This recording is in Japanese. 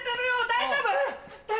大丈夫？